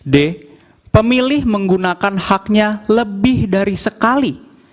d pemilih menggunakan haknya lebih dari sekali